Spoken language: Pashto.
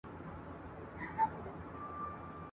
د اوج يا د کمال تر بریده پوري رسېدلي وي